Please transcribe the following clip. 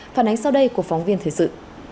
phản ánh sau đây của phóng viên thời sự